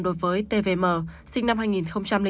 đối với tvm sinh năm hai nghìn tám